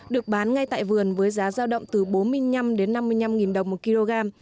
được bán ngay tại vườn với giá giao động từ bốn mươi năm đến năm mươi năm đồng một kg